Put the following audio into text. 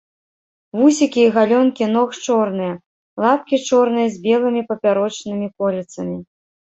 Вусікі і галёнкі ног чорныя, лапкі чорныя з белымі папярочнымі кольцамі.